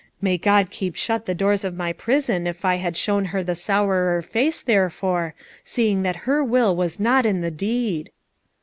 May God keep shut the doors of my prison if I had shown her the sourer face therefore, seeing that her will was not in the deed."